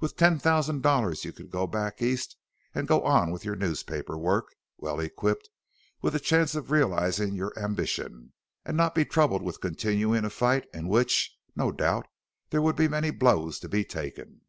With ten thousand dollars you could go back East and go on with your newspaper work, well equipped, with a chance of realizing your ambition and not be troubled with continuing a fight in which, no doubt, there would be many blows to be taken."